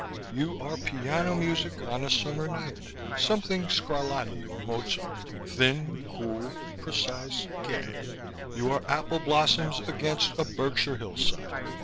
"You are piano music on a summer night something Scarlatti or Mozart thin, cool, precise, gay. You are apple blossoms against a Berkshire hillside.